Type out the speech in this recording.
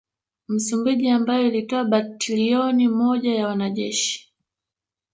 Msumbiji ambayo ilitoa batalioni moja ya wanajeshi